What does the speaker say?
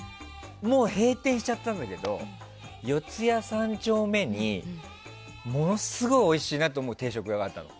もう閉店しちゃったんだけど四谷３丁目にものすごいおいしい定食屋があったの。